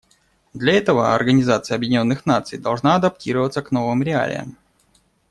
Для этого Организация Объединенных Наций должна адаптироваться к новым реалиям.